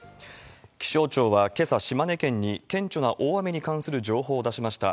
気象庁は、けさ、島根県に、顕著な大雨に関する情報を出しました。